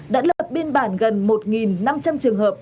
đã lập biên bản gần một năm trăm linh trường hợp